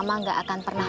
kandaks cope depan